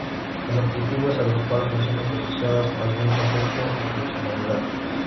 El objetivo es agrupar funciones asociadas a algún contexto o funcionalidad.